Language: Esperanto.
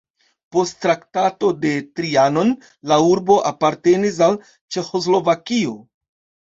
Post Traktato de Trianon la urbo apartenis al Ĉeĥoslovakio.